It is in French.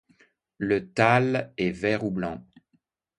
Le thalle est vert ou blanc.